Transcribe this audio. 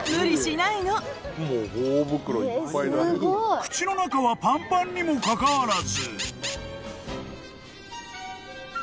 ［口の中はパンパンにもかかわらず］